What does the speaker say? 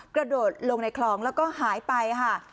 กระโดดลงในคลองแล้วก็หายไปค่ะ